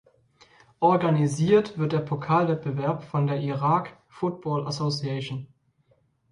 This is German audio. Organisiert wird der Pokalwettbewerb von der Iraq Football Association.